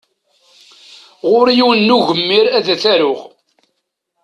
Ɣur-i yiwen n ugemmir ad t-aruɣ.